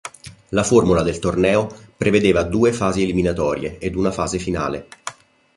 La formula del torneo prevedeva due fasi eliminatorie ed una fase finale.